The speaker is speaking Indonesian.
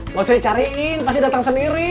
mau saya cariin pasti datang sendiri